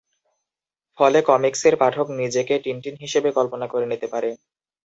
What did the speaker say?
ফলে কমিকসের পাঠক নিজেকে টিনটিন হিসেবে কল্পনা করে নিতে পারে।